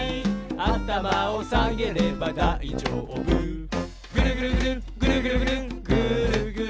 「あたまをさげればだいじょうぶ」「ぐるぐるぐるぐるぐるぐるぐーるぐる」